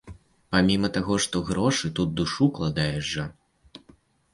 Паміма таго, што грошы, тут душу ўкладаеш жа!